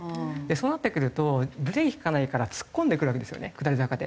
そうなってくるとブレーキ利かないから突っ込んでくるわけですよね下り坂で。